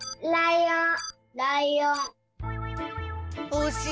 おしい！